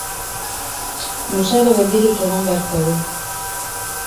Luzaro geldirik egon beharko du.